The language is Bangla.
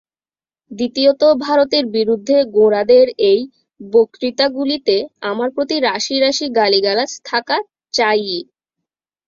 দ্বিতীয়ত ভারতের বিরুদ্ধে গোঁড়াদের এই বক্তৃতাগুলিতে আমার প্রতি রাশি রাশি গালিগালাজ থাকা চাই-ই।